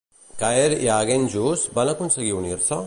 Caer i Aengus van aconseguir unir-se?